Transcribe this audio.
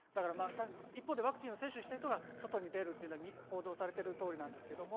一方、ワクチンを接種している人が外に出るというのは報道されている通りです。